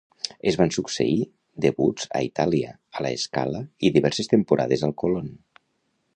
Es van succeir debuts a Itàlia, a La Scala i diverses temporades al Colón.